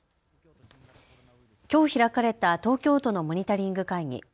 きょう開かれた東京都のモニタリング会議。